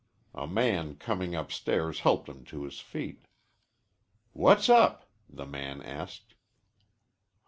A man coming upstairs helped him to his feet. "What's up?" the man asked.